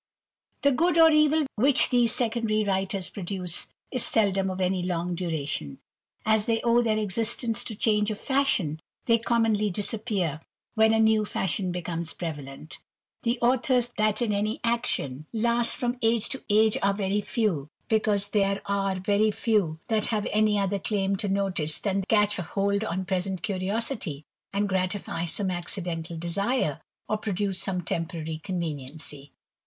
The good or evil which these secondary writers produce is seldom of any long duration. As they owe their existence to change of fashion, they commonly disappear when a new fashion becomes prevalent The authors that in any nation 332 THE IDLER. last from age to age are very few, because there are very few that have any other claim to notice than that they catch hold on present curiosity, and gratify some accidental desire, or produce some temporary conveniency.